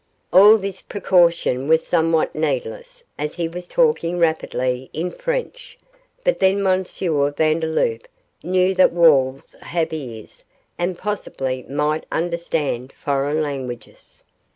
All this precaution was somewhat needless, as he was talking rapidly in French, but then M. Vandeloup knew that walls have ears and possibly might understand foreign languages.